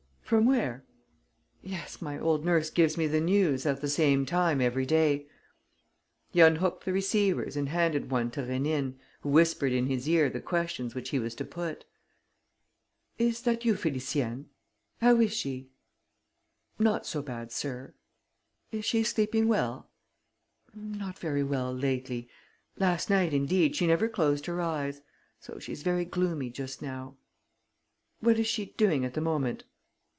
"From there?" "Yes, my old nurse gives me the news at the same time every day." He unhooked the receivers and handed one to Rénine, who whispered in his ear the questions which he was to put. "Is that you, Félicienne? How is she?" "Not so bad, sir." "Is she sleeping well?" "Not very well, lately. Last night, indeed, she never closed her eyes. So she's very gloomy just now." "What is she doing at the moment?"